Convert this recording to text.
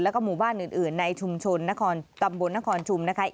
แล้วก็หมู่บ้านอื่นในชุมชนตำบลนครชุมนะคะ